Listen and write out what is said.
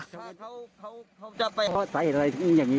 พ่อจัดไปคนที่บ้านที่มหัวโน่ก่อน